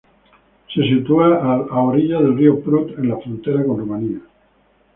Se sitúa a orillas del río Prut en la frontera con Rumania.